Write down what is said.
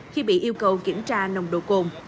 khi bị yêu cầu kiểm tra nồng độ cồn